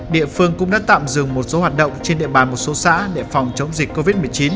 địa phương cũng đã tạm dừng một số hoạt động trên địa bàn một số xã để phòng chống dịch covid một mươi chín